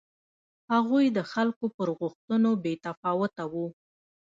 هغوی د خلکو پر غوښتنو بې تفاوته و.